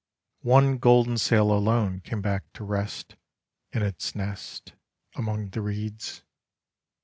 One golden sail alone came back to rest In its nest Among the reeds.